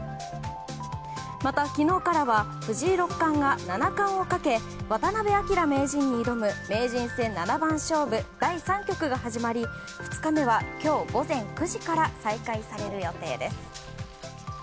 また昨日からは藤井六冠が七冠をかけ渡辺明名人に挑む名人戦七番勝負第３局が始まり２日目は今日午前９時から再開される予定です。